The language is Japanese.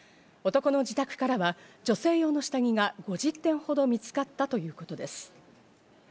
男の自宅からは女性用の下着が５０点ほど見つかったということです。